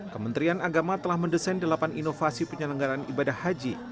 kementerian agama telah mendesain delapan inovasi penyelenggaran ibadah haji